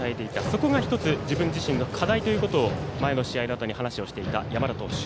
そこが１つ自分自身の課題ということを前の試合のあとに話していた山田。